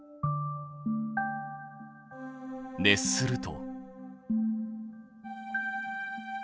熱すると。